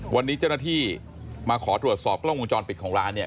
วันนี้เจ้าหน้าที่มาขอตรวจสอบกล้องวงจรปิดของร้านเนี่ย